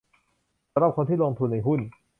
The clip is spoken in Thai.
สำหรับคนที่ลงทุนในหุ้น